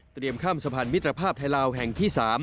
ข้ามสะพานมิตรภาพไทยลาวแห่งที่๓